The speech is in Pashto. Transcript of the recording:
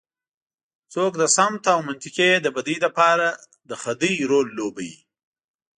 څوک د سمت او منطقې د بدۍ لپاره د خدۍ رول لوبوي.